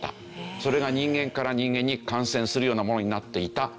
それが人間から人間に感染するようなものになっていたという。